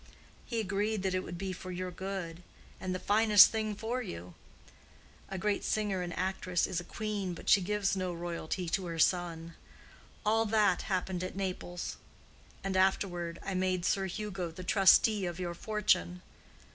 He agreed that it would be for your good, and the finest thing for you. A great singer and actress is a queen, but she gives no royalty to her son. All that happened at Naples. And afterward I made Sir Hugo the trustee of your fortune.